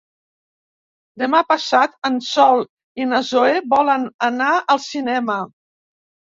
Demà passat en Sol i na Zoè volen anar al cinema.